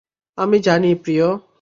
আমি জানি, প্রিয়।